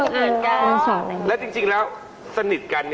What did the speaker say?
บางทีดูมั่นิเตอร์เลยให้หน้าเหมือนออกกันเลย